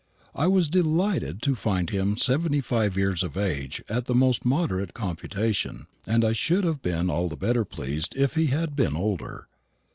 I was delighted to find him seventy five years of age at the most moderate computation, and I should have been all the better pleased if he had been older.